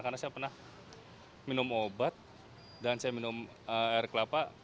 karena saya pernah minum obat dan saya minum air kelapa